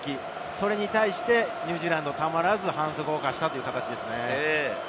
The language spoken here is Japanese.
それに対してニュージーランドはたまらず反則を犯したという感じですね。